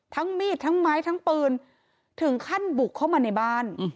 มีดทั้งไม้ทั้งปืนถึงขั้นบุกเข้ามาในบ้าน